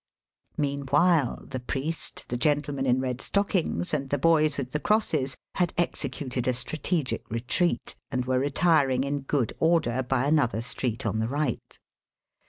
Meanwhile the priest, the gentlemen in red stockings, and the boys with' the crosses had executed a strategic retreat, and were retiring in good order by another street on the right.